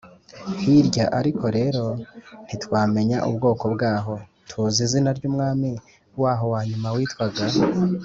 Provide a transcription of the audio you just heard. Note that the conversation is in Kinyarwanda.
hirya ; ariko rero ntitwamenya ubwoko bwaho. tuzi izina ry’umwami waho wa nyuma witwaga